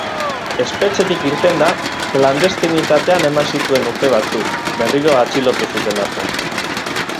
Espetxetik irtenda, klandestinitatean eman zituen urte batzuk, berriro atxilotu zuten arte.